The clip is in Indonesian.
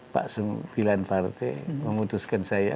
pilihan partai memutuskan saya